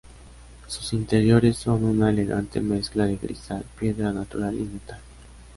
Sus interiores son una elegante mezcla de cristal, piedra natural y metal.